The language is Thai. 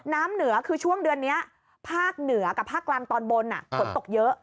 น้ำเหนือคือช่วงเดือนนี้ภาคเหนือกับภาคกลางตอนบนฝนตกเยอะ